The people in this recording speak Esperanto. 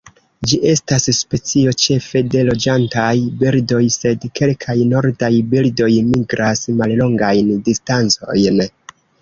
Ĝi estas specio ĉefe de loĝantaj birdoj, sed kelkaj nordaj birdoj migras mallongajn distancojn.